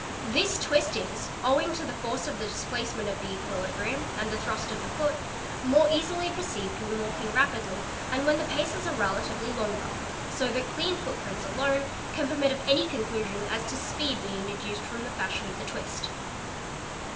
This twist is, owing to the force of the displacement of the equilibrium and the thrust of the foot, more easily perceived when walk r BO) 7 A nen MM Bi taal b A oe SAME 1S ' ing rapidly and when the paces are relatively longer, so that clean footprints alone can permit of any conclusion as to speed being deduced ' from the fashion of the twist.